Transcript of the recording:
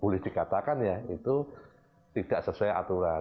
boleh dikatakan ya itu tidak sesuai aturan